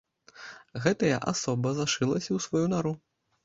Гэтая асоба зашылася ў сваю нару.